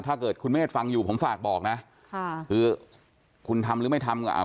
ถ้าเกิดคุณเมฆฟังอยู่ผมฝากบอกนะค่ะคือคุณทำหรือไม่ทำก็อ่า